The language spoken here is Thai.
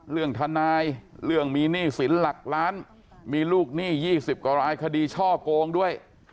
เรื่องทนายเรื่องมีหนี้สินหลักล้านมีลูกหนี้๒๐กว่ารายคดีช่อโกงด้วย